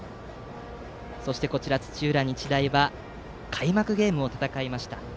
そして土浦日大は開幕ゲームを戦いました。